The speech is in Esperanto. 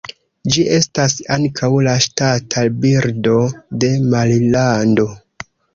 Ĝi estas ankaŭ la ŝtata birdo de Marilando.